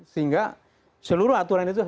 sehingga seluruh aturan itu